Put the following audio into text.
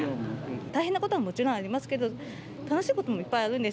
大変なことももちろんありますけど楽しいこともいっぱいあるんです。